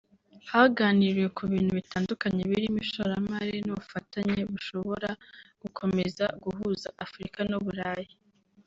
Haganiriwe ku bintu bitandukanye birimo ishoramari n’ubufatanye bushobora gukomeza guhuza Afurika n’u Burayi